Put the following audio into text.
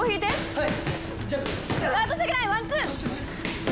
はい。